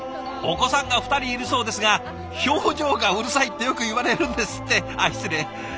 お子さんが２人いるそうですが「表情がうるさい」ってよく言われるんですってあっ失礼。